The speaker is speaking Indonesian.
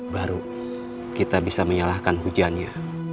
baru kita bisa menyalahkan hujannya